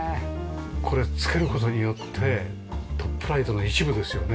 これ付ける事によってトップライトの一部ですよね。